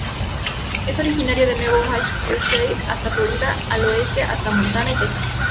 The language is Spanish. Es originaria de Nuevo Hampshire hasta Florida, al oeste hasta Montana y Texas.